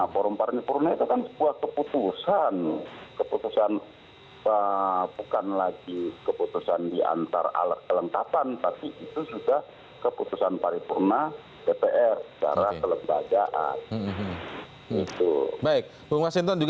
pertanyaan saya selanjutnya begini bang masinton